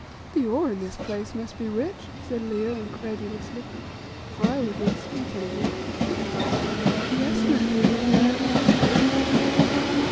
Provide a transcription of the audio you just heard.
"The ore in this place must be rich," said Leo, incredulously, for I would not speak any more. "Yes, my Leo, the iron ore is rich."